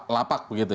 lapak begitu ya